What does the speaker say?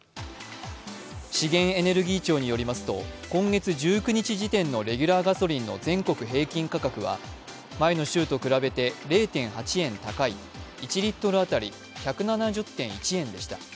資源エネルギー庁によりますと今月１９日時点のレギュラーガソリンの全国平均価格は、前の週と比べて０．８円高い、１リットル当たり１７０．１円でした。